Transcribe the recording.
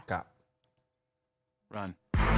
ครับ